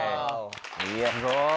すごい。